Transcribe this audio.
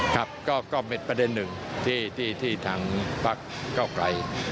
ก็เป็นประเด็นหนึ่งที่ทางภาคเก้ากลาย